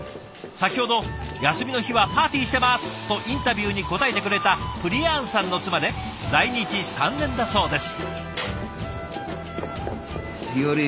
先ほど「休みの日はパーティしてます」とインタビューに答えてくれたプリヤーンさんの妻で来日３年だそうです。